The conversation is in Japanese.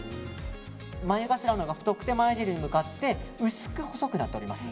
眉頭のほうが太くて眉尻に向かって薄く細くなっております。